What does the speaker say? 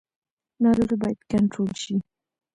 ناروغي باید کنټرول شي